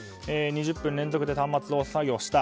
２０分連続で端末を作業した。